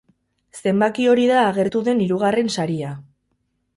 Zenbaki hori da agertu den hirugarren saria.